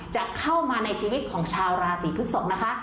จะเข้ามาในชีวิตของชาวราศีพฤกษกนะคะ